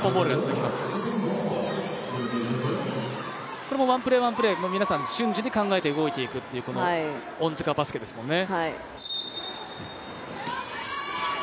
これもワンプレーワンプレー瞬時に皆さん考えて動いていくという恩塚バスケですもんね。